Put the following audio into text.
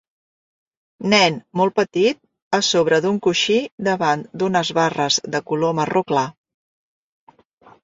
Nen molt petit a sobre d'un coixí davant d'unes barres de color marró clar